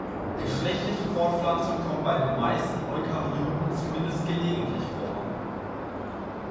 Geschlechtliche Fortpflanzung kommt bei den meisten Eukaryoten zumindest gelegentlich vor.